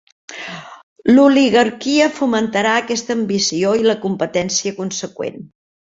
L'oligarquia fomentarà aquesta ambició i la competència conseqüent.